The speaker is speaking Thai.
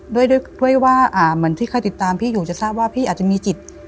ด้วยว่าเหมือนที่ใครติดตามพี่อยู่จะทราบว่าพี่อาจจะมีจิต